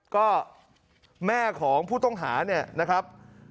ก็แม่ของผู้ต้องหานะครับ